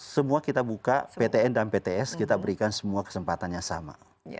semua kita buka ptn dan pts kita berikan semua kesempatan yang sama